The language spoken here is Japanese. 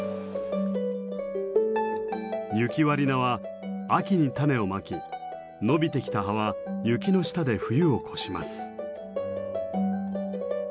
「雪割菜」は秋に種をまき伸びてきた葉は雪の下で冬を越します。